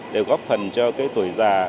để góp phần cho cái tuổi già